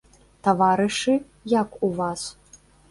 Таварышы, як у вас?